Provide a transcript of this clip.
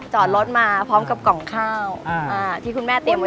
จอดรถมาพร้อมกับกล่องข้าวที่คุณแม่เตรียมไว้